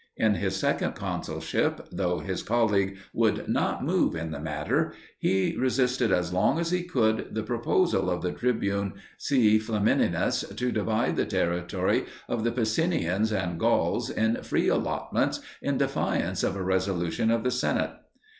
In his second consulship, though his colleague would not move in the matter, he resisted as long as he could the proposal of the tribune C. Flaminius to divide the territory of the Picenians and Gauls in free allotments in defiance of a resolution of the Senate.